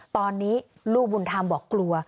ตอนนี้ลูกบุญธรรมบอกกลัว